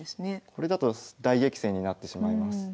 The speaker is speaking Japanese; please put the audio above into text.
これだと大激戦になってしまいます。